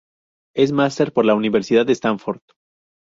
Es máster por la Universidad Stanford.